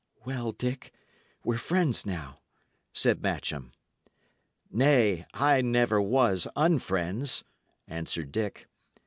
"Well, Dick, we're friends now," said Matcham. "Nay, I never was unfriends," answered Dick.